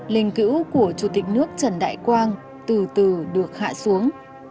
linh cữu của chủ tịch nước trần đại quang từ từ được hạ xuống